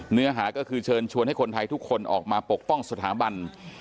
เนื้อหาก็คือเชิญชวนให้คนไทยทุกคนออกมาปกป้องสถาบัน